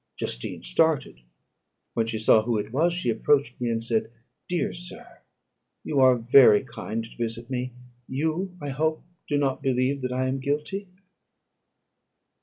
Justine started. When she saw who it was, she approached me, and said, "Dear sir, you are very kind to visit me; you, I hope, do not believe that I am guilty?"